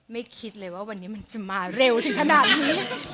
คิดเลยว่าวันนี้มันจะมาเร็วถึงขนาดนี้